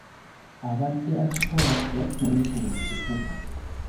Abadde akikola wattu weekube mu kifuba.